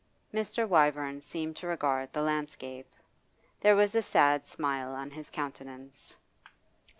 Mr. Wyvern seemed to regard the landscape. There was a sad smile on his countenance.